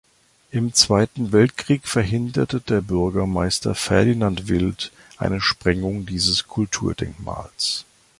Im Zweiten Weltkrieg verhinderte der Bürgermeister Ferdinand Wild eine Sprengung dieses Kulturdenkmals.